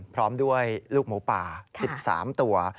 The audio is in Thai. พร้อมด้วยลูกหมูป่า๑๓ตัว